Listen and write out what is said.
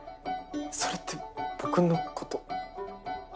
それって僕のことを。